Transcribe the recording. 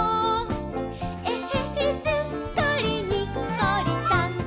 「えへへすっかりにっこりさん！」